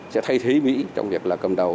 sẽ thay thế mỹ trong việc là cầm đầu